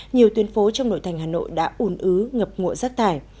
nhiều tuyến phố trong nội thành hà nội đã ủn ứ ngập ngụa rác thải